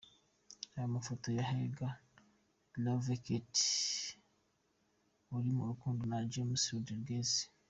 Reba amafoto ya Helga Lovekaty uri mu rukundo na James Rodriguez:.